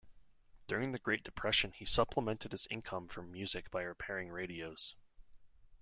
During the Great Depression he supplemented his income from music by repairing radios.